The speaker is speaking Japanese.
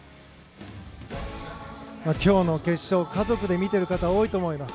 今日の決勝家族で見ている方多いと思います。